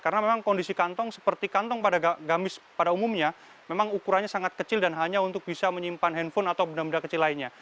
karena memang kondisi kantong seperti kantong pada gamis pada umumnya memang ukurannya sangat kecil dan hanya untuk bisa menyimpan handphone atau benda benda kecil lainnya